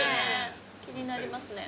気になりますね。